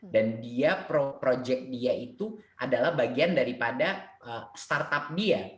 dan dia proyek dia itu adalah bagian daripada startup dia